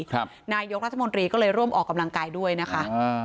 นายกรัฐมนตรีก็เลยร่วมออกกำลังกายด้วยนะคะอ่า